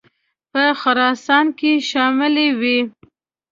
په خراسان کې شاملي وې.